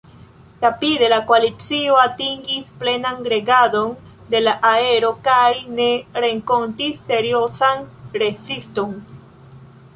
Rapide la koalicio atingis plenan regadon de la aero kaj ne renkontis seriozan reziston.